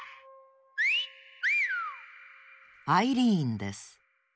アイリーンです。